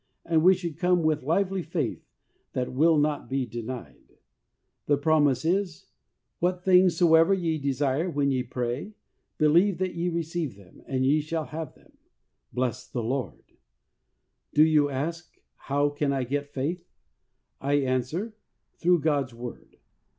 And we should come with lively faith that will not be denied. HOLINESS AND PRAYER 89 The promise is, ' What things soever ye desire, when ye pray, believe that ye receive them, and ye shall have them.' Bless the Lord ! Do you ask, ' How can I get faith ?' I answer, through God's Word.